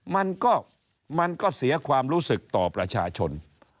มันก็มันก็เสียความรู้สึกต่อประชาชน